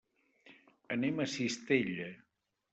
Anem a Cistella.